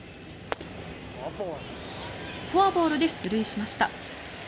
フォアボールで出塁しました。